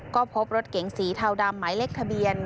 ก็พบรถเก๋งสีเทาดำหมายเลขทะเบียน